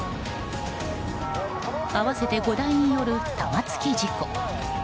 合わせて５台による玉突き事故。